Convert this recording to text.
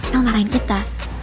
mel narain kita